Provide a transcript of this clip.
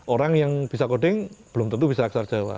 orang yang bisa koding belum tentu bisa aksara jawa